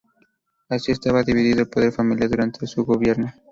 Así estaba dividido el poder familiar durante su gobierno.